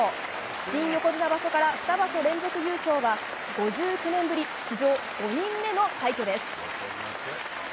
新横綱場所から２場所連続優勝は５９年ぶり史上５人目の快挙です。